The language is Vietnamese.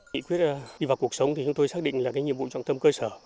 nghị quyết đi vào cuộc sống thì chúng tôi xác định là cái nhiệm vụ trọng tâm cơ sở